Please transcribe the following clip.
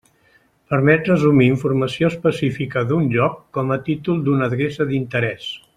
Permet resumir informació específica d'un lloc com a títol d'una adreça d'interès.